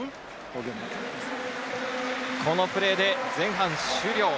このプレーで前半終了。